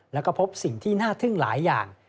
แล้วก็พบสิ่งที่น่าทึ่งหลายอย่าง